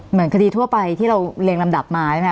เหมือนคาดีทั่วไปที่เราเลียงลำดับมา